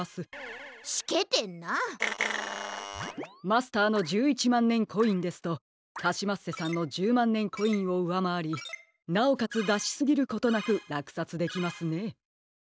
マスターの１１まんねんコインですとカシマッセさんの１０まんねんコインをうわまわりなおかつだしすぎることなくらくさつできますね。